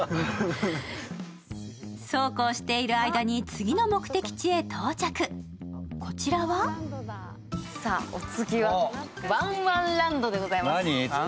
そうこうしている間に次の目的地へ到着、こちらはお次は、わんわんランドでございます。